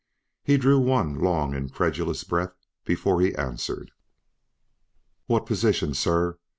He drew one long incredulous breath before he answered. "What position, sir?